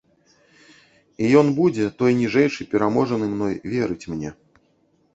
І ён будзе, той ніжэйшы, пераможны мной, верыць мне.